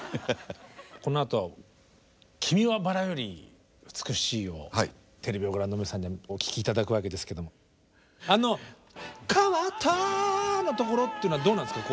このあと「君は薔薇より美しい」をテレビをご覧の皆さんにお聴き頂くわけですけどもあの「変わった」のところというのはどうなんですか？